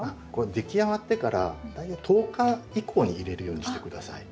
出来上がってから大体１０日以降に入れるようにして下さい。